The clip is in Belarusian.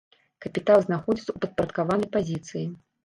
Капітал знаходзіцца ў падпарадкаванай пазіцыі.